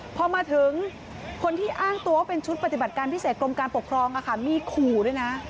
พอมาถึงคนที่อ้างตัวว่าเป็นชุดปฏิบัติการพิเศษกรมการปกครองมีขู่ด้วยนะ